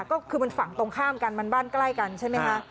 ก็คือมันฝั่งตรงข้ามกันมันบ้านใกล้กันใช่ไหมคะ